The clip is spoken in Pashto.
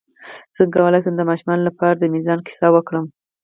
څنګه کولی شم د ماشومانو لپاره د میزان کیسه وکړم